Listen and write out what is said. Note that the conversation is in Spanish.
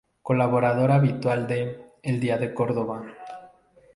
Colaborador habitual de "El Día de Córdoba".